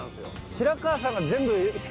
白川さんが。